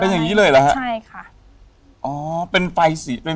เป็นอย่างนี้เชียร์ไอน